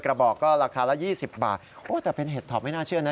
กระบอกก็ราคาละ๒๐บาทโอ้แต่เป็นเห็ดถอบไม่น่าเชื่อนะ